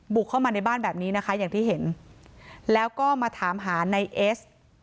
เข้ามาในบ้านแบบนี้นะคะอย่างที่เห็นแล้วก็มาถามหาในเอส